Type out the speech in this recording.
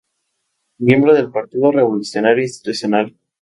Miembro del Partido Revolucionario Institucional.